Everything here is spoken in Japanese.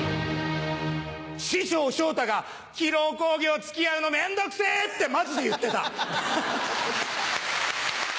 師匠昇太が「披露興行付き合うの面倒くせぇ！」ってマジで言ってた。